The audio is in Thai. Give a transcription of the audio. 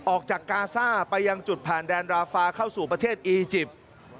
ออกจากกาซ่าไปยังจุดผ่านแดนราฟาเข้าสู่ประเทศอีจิปต์